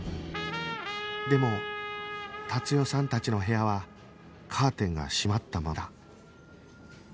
でも達代さんたちの部屋はカーテンが閉まったままだ